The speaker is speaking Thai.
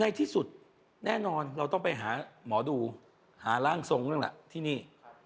ในที่สุดแน่นอนเราต้องไปหาหมอดูหาร่างทรงแล้วล่ะที่นี่